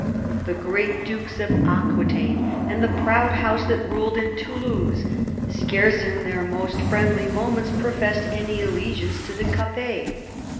The great dukes of Aquitaine and the proud house that ruled in Toulouse scarce in their most friendly moments professed any allegiance to the Capets.